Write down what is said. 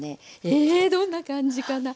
ええどんな感じかな？